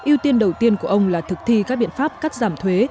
ưu tiên đầu tiên của ông là thực thi các biện pháp cắt giảm thuế